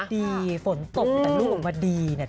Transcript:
ดีฝนตกแต่รูปผมว่าดีนะ